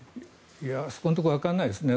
いや、そこのところはわからないですね。